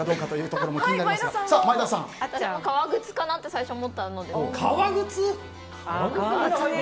私も革靴かなって最初思ったので。